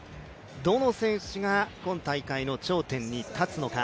どの選手が今大会の頂点に立つのか。